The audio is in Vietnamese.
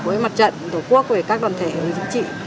với mặt trận đổ quốc với các đoàn thể với chính trị